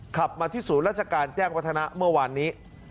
ขับมาที่ศูนย์ราชการแจ้งวัฒนะเมื่อวานนี้